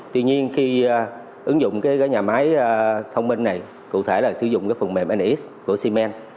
tuy nhiên khi ứng dụng nhà máy thông minh này cụ thể là sử dụng phần mềm nx của siemens